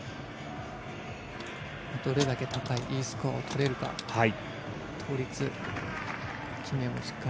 どれだけ高いＥスコアを出せるか。